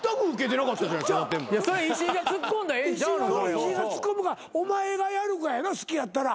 石井がツッコむかお前がやるかやろ好きやったら。